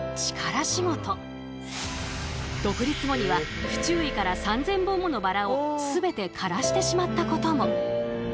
独立後には不注意から３，０００本ものバラを全て枯らしてしまったことも。